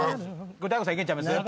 これ大悟さんいけんちゃいます？